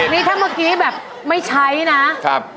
นี่ถ้าเมื่อกี้แบบไม่ใช้นะครับ